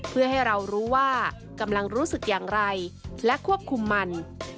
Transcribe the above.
เพื่อให้เรารู้ว่ากำลังรู้สึกอย่างไรและควบคุมมัน